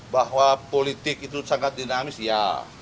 bahwa politik itu sangat dinamis ya